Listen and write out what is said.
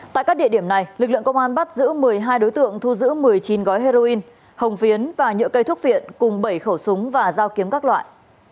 tại các địa điểm này lực lượng công an bắt giữ một mươi hai đối tượng thu giữ một mươi chín gói heroin hồng phiến và nhựa cây thuốc viện cùng bảy khẩu súng và dao kiếm các loại